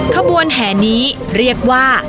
ขบวนแห่นี้เรียกว่า